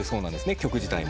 曲自体も。